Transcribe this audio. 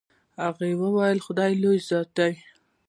هغه وويل خداى لوى ذات دې.